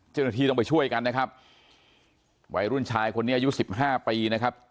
เจ้าหน้าที่ต้องไปช่วยกันนะครับวัยรุ่นชายคนนี้อายุสิบห้าปีนะครับ